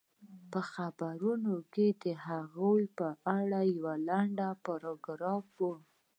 په خبرونو کې د هغې په اړه يو لنډ پاراګراف و